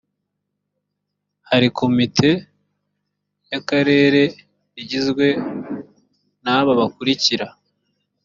hari komite y akarere igizwe n aba bakurikira